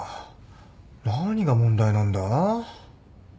何が問題なんだ？